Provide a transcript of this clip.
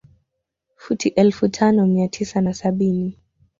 Futi elfu tano mia tisa na sabini